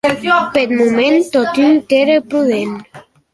Peth moment, totun, qu’ère prudent.